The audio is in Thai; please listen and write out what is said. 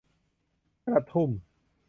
กระทุ่ม